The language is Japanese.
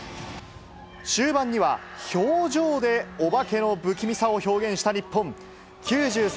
終盤には、表情でお化けの不気味さを表現した日本。